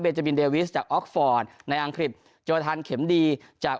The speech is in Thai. จาบินเดวิสจากออกฟอร์ดในอังกฤษโจทันเข็มดีจาก